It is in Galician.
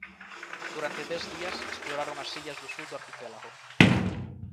Durante dez días exploraron as illas do sur do arquipélago.